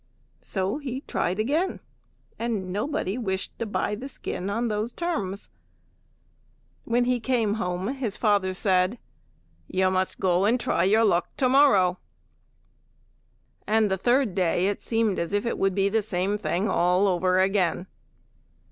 So he tried again, and nobody wished to buy the skin on those terms. When he came home his father said, "You must go and try your luck to morrow," and the third day it seemed as if it would be the same thing over again.